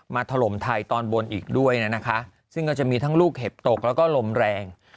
ถล่มไทยตอนบนอีกด้วยนะคะซึ่งก็จะมีทั้งลูกเห็บตกแล้วก็ลมแรง